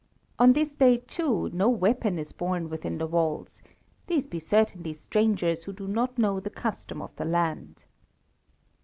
On this day, too, no weapon is borne within the walls; these be certainly strangers who do not know the custom of the land.